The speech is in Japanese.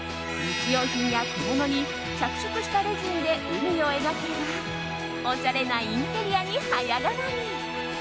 日用品や小物に着色したレジンで海を描けばおしゃれなインテリアに早変わり。